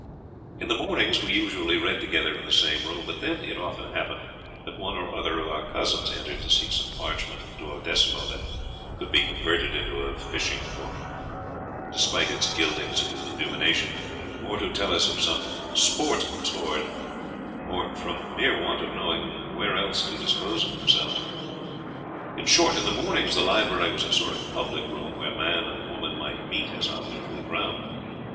_ In the mornings we usually read together in the same room; but then it often happened that one or other of our cousins entered to seek some parchment duodecimo that could be converted into a fishing book, despite its gildings and illumination, or to tell us of some "sport toward," or from mere want of knowing where else to dispose of themselves. In short, in the mornings the library was a sort of public room, where man and woman might meet as on neutral ground.